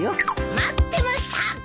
待ってました！